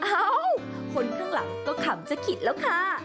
เอ้าคนข้างหลังก็ขำจะขิดแล้วค่ะ